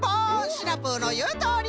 シナプーのいうとおり！